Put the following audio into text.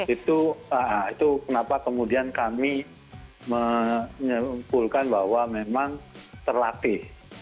itu kenapa kemudian kami menyimpulkan bahwa memang terlatih